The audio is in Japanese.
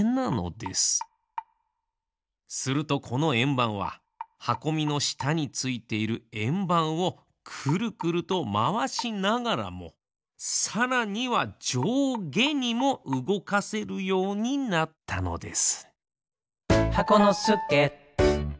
するとこのえんばんははこみのしたについているえんばんをくるくるとまわしながらもさらにはじょうげにもうごかせるようになったのです。